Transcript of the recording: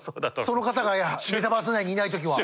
その方がメタバース内にいない時は。